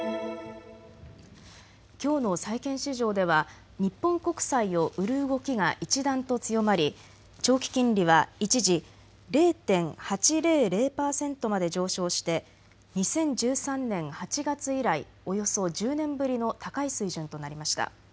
きょうの債券市場では日本国債を売る動きが一段と強まり長期金利は一時０．８００％まで上昇して２０１３年８月以来、およそ１０年ぶりの高い水準となりました。